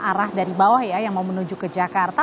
arah dari bawah ya yang mau menuju ke jakarta